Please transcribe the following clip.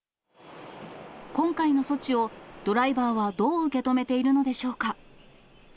今回の措置を、ドライバーはどう受け止めているのでしょうか。